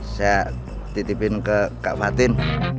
saya titipin ke kak fatin